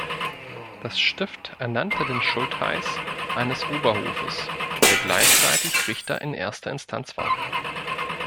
Das Stift ernannte den Schultheiß eines Oberhofes, der gleichzeitig Richter in erster Instanz war.